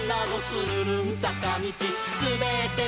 つるるんさかみち」「すべってもどって」